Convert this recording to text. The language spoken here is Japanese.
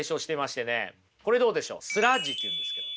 これどうでしょうスラッジっていうんですけど。